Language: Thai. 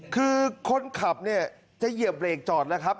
คือคนขับเนี่ยจะเหยียบเบรกจอดแล้วครับ